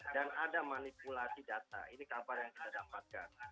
dan ada manipulasi data ini kabar yang kita dapatkan